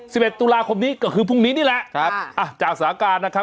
สิบเอ็ดตุลาคมนี้ก็คือพรุ่งนี้นี่แหละครับอ่ะจากสถานการณ์นะครับ